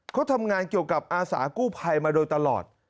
เขาทำงานเกี่ยวกับอาสากู้ภัยมาโดยตลอด